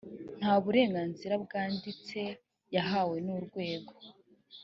nta burenganzira bwanditse yahawe n urwego